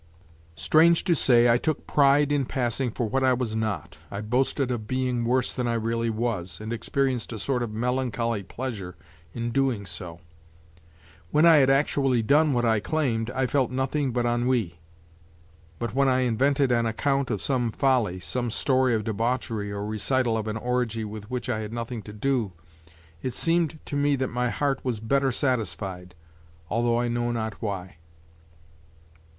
Strange to say, I took pride in passing for what I was not, I boasted of being worse than I really was, and experienced a sort of melancholy pleasure in doing so. When I had actually done what I claimed, I felt nothing but ennui, but when I invented an account of some folly, some story of debauchery or recital of an orgy with which I had nothing to do, it seemed to me that my heart was better satisfied, although I know not why.